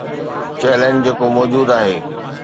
Challenge جيڪو موجود آهي.